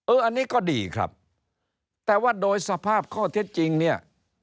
อันนี้ก็ดีครับแต่ว่าโดยสภาพข้อเท็จจริงเนี่ย